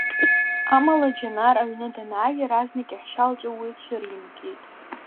Амала Џьанар, аҩны данааи, иаразнак иаҳәшьа лҿы уи цәыримгеит.